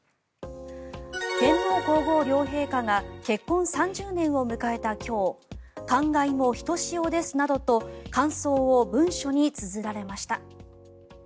天皇・皇后両陛下が結婚３０年を迎えた今日感慨もひとしおですなどと感想を文書につづられました。